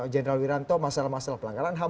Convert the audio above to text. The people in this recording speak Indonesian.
jenderal wiranto masalah masalah pelanggaran ham